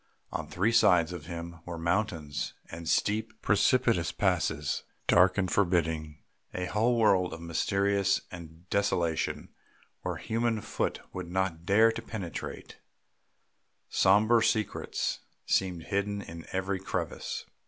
On three sides of him were mountains and steep, precipitous passes, dark and forbidding, a whole world of mystery and desolation, where human foot would not dare to penetrate; sombre secrets seemed hidden in every crevice.